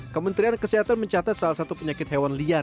kementerian kesehatan mencatat salah satu penyakit hewan liar